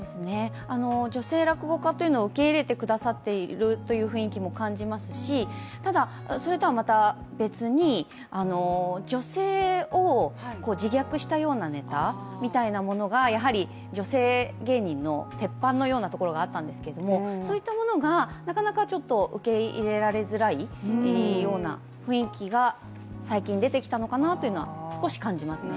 女性落語家というのを受け入れてくださっているという雰囲気も感じますし、ただ、それとはまた別に女性を自虐したようなネタみたいなものがやはり女性芸人の鉄板のようなところがあったんですけれども、そういったものがなかなかちょっと受け入れられづらいような雰囲気が最近、出てきたのかなというのは少し感じますね。